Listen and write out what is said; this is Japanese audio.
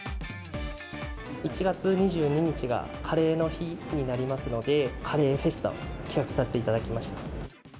１月２２日がカレーの日になりますので、カレーフェスタを企画させていただきました。